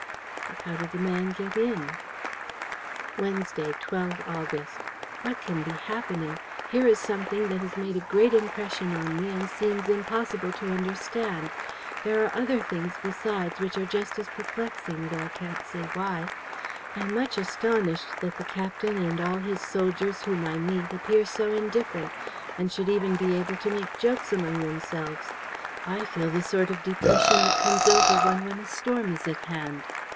But how did the man get in? "Wednesday, 12 August. "What can be happening? Here is something that has made a great impression on me and seems impossible to understand. There are other things besides which are just as perplexing, though I can't say why. I am much astonished that the captain and all his soldiers whom I meet appear so indifferent and should even be able to make jokes among themselves. I feel the sort of depression that comes over one when a storm is at hand.